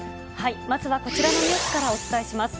まずはこちらのニュースからお伝えします。